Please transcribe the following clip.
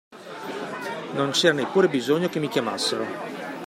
Non c'era neppur bisogno che mi chiamassero.